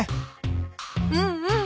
うんうん！